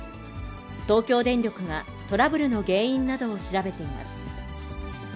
東京電力がトラブルの原因などを調べています。